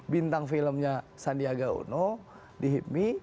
bintang filmnya sandiaga uno di hipmi